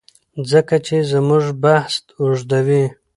ځکه چي زموږ بحث اوږديوي